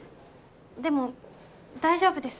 でも大丈夫です。